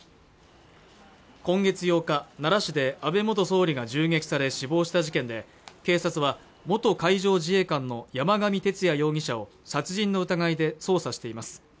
今月８日奈良市で安倍元総理が銃撃され死亡した事件で警察は元海上自衛官の山上徹也容疑者を殺人の疑いで捜査しています